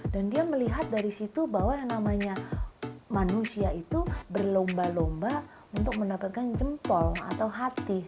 dan dia melihat dari situ bahwa yang namanya manusia itu berlomba lomba untuk mendapatkan jempol atau hati